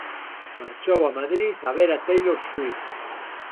Marchou a Madrid a ver a Taylor Swift